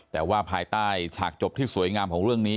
แต่ว่าภายใต้ฉากจบที่สวยงามของเรื่องนี้